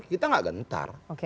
kita gak gentar